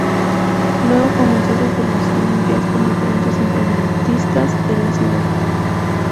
Luego comenzó su formación en jazz con diferentes instrumentistas de la ciudad.